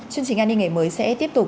chương trình an ninh ngày mới sẽ tiếp tục